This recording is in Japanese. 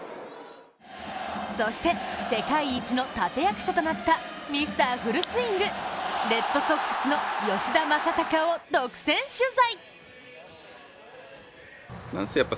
そして世界一の立て役者となったミスターフルスイングレッドソックスの吉田正尚を独占取材。